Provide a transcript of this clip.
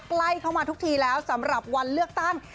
ใกล้เข้ามาทุกทีแล้วสำหรับวันเลือกตั้ง